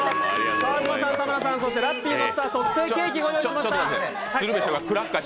川島さん、田村さん、ラッピーをのせた特製ケーキをご用意しました。